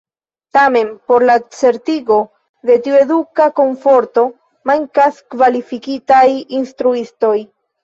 Tamen, por la certigo de tiu eduka komforto mankas kvalifikitaj instruistoj.